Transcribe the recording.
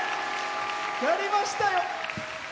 やりましたよ！